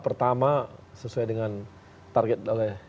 pertama sesuai dengan target oleh